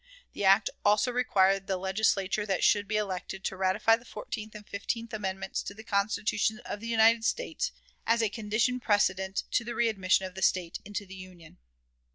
The act also required the Legislature that should be elected to ratify the fourteenth and fifteenth amendments to the Constitution of the United States, as a condition precedent "to the readmission of the State into the Union."